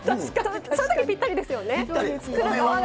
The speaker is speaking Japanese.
そのとき、ぴったりですよね。